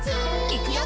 「いくよ！